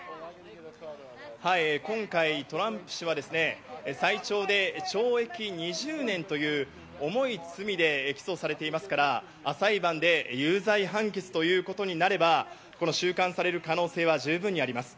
今回トランプ氏はですね、最長で懲役２０年という重い罪で起訴されていますから、裁判で有罪判決ということになれば収監される可能性は十分にあります。